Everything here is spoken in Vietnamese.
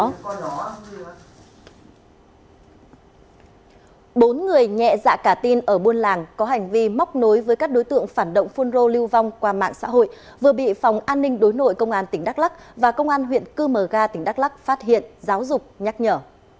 bốn người nhẹ dạ cả tin ở buôn làng có hành vi móc nối với các đối tượng phản động phun rô lưu vong qua mạng xã hội vừa bị phòng an ninh đối nội công an tỉnh đắk lắc và công an huyện cư mờ ga tỉnh đắk lắc phát hiện giáo dục nhắc nhở